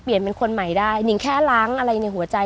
พี่แบบว่านำเสนอเรื่องราวดี